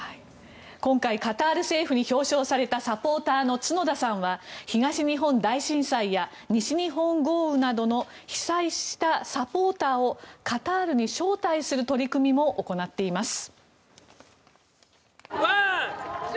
今回カタール政府に表彰された角田さんは東日本大震災や西日本豪雨などの被災したサポーターをカタールに招待する取り組みも行っています。